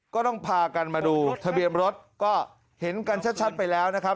ก็ต้องพากันมาดูทะเบียนรถก็เห็นกันชัดไปแล้วนะครับ